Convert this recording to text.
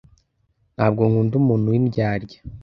ntabwo nkunda umuntu windyarya